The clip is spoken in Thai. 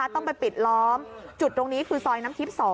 ต้องไปปิดล้อมจุดตรงนี้คือซอยน้ำทิพย์๒